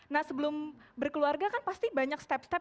nah sebelum berkeluarga kan pasti banyak step step